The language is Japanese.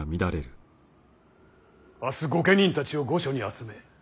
明日御家人たちを御所に集め